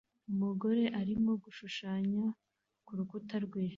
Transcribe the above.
Umugore arimo gushushanya ku rukuta rwe